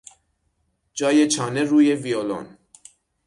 جای چانه روی ویولن